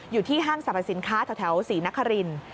อยู่ที่ห้างสรรพสินค้าแถวศรีนครินทร์